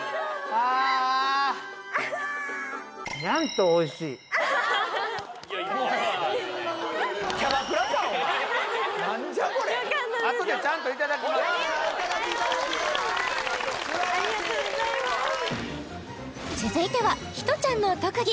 ありがとうございますありがとうございます続いてはひとちゃんの特技